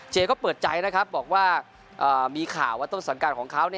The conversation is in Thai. ก็เปิดใจนะครับบอกว่ามีข่าวว่าต้นสังการของเขา